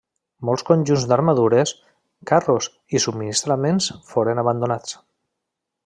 Molts conjunts d'armadures, carros i subministraments foren abandonats.